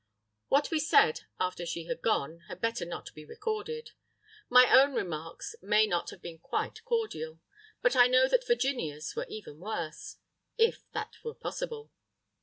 _ What we said after she had gone had better not be recorded! My own remarks may not have been quite cordial; but I know that Virginia's were even worse—if that were possible.